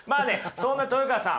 そんな豊川さん